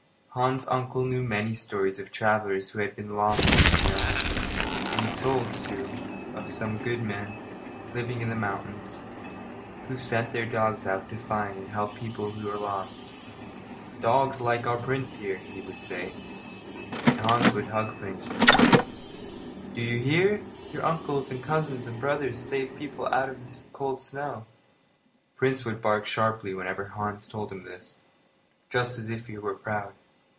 Hans's uncle knew many stories of travellers who had been lost in the snow, and he told, too, of some good men, living in the mountains, who sent their dogs out to find and help people who were lost "dogs like our Prince here," he would say; and Hans would hug Prince and say: "Do you hear? Your uncles and cousins and brothers save people out of the cold snow." Prince would bark sharply whenever Hans told him this, just as if he were proud.